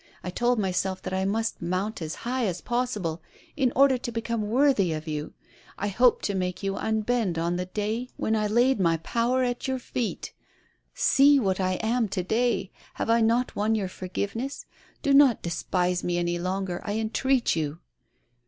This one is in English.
I told myself that I must mount as high as possible, in order* to become worthy of you. I hoped to make you unbend on the day when I laid my 92 A SPOILED TRIUMPH. power at your feet. See what I am to day. Have I not won your forgiveness ? Do not despise me any longer, I entreat you.